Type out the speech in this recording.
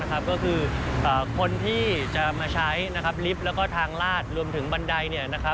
ก็คือคนที่จะมาใช้ลิฟต์แล้วก็ทางลาดรวมถึงบันได